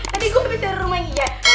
tadi gue habis dari rumah ini ya